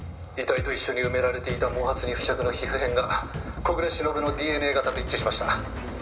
「遺体と一緒に埋められていた毛髪に付着の皮膚片が小暮しのぶのＤＮＡ型と一致しました」